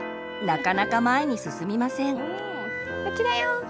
なかなか前に進みません。